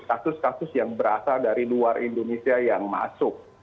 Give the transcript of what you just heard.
kasus kasus yang berasal dari luar indonesia yang masuk